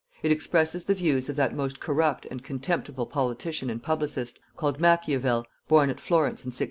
It expresses the views of that most corrupt and contemptible politician and publicist, called MACHIAVEL, born at Florence, in 1649.